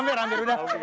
hampir hampir hampir